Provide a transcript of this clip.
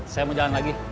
saya mau jalan lagi